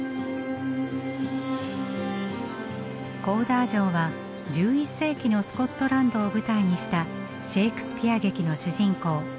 コーダー城は１１世紀のスコットランドを舞台にしたシェークスピア劇の主人公